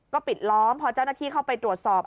ก็ปิดล้อมพอเจ้าหน้าที่เข้าไปตรวจสอบ